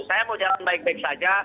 saya mau jalan baik baik saja